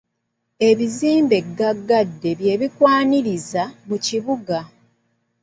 Ebizimbe gaggadde bye bikwaniriza mu kibuga.